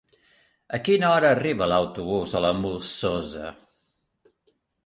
A quina hora arriba l'autobús de la Molsosa?